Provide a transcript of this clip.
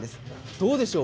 どうでしょう？